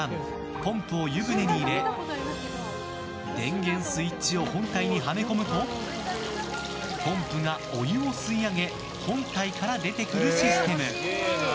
ポンプを湯船に入れ電源スイッチを本体にはめ込むとポンプがお湯を吸い上げ本体から出てくるシステム。